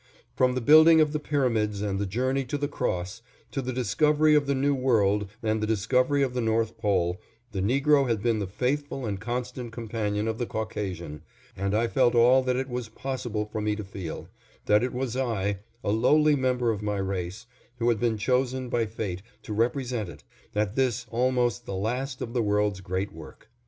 From the building of the pyramids and the journey to the Cross, to the discovery of the new world and the discovery of the North Pole, the Negro had been the faithful and constant companion of the Caucasian, and I felt all that it was possible for me to feel, that it was I, a lowly member of my race, who had been chosen by fate to represent it, at this, almost the last of the world's great work.